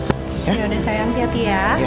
udah udah sayang hati hati ya